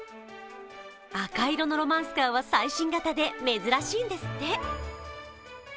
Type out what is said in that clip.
赤色のロマンスカーは最新型で、珍しいんですって。